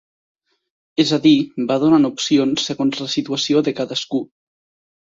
És a dir, va donant opcions segons la situació de cadascú.